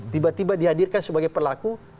tiba tiba dihadirkan sebagai pelaku